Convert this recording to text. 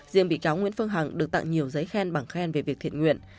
riêng bị cáo nguyễn phương hằng được tặng nhiều giấy khen bằng khen về việc thiện nguyện